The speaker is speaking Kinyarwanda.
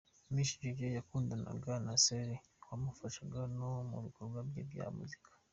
Miss Jojo yakundanaga na Saley wamufashaga no mu bikorwa bye bya muzika.